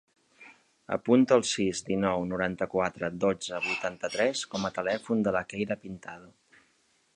Apunta el sis, dinou, noranta-quatre, dotze, vuitanta-tres com a telèfon de la Keira Pintado.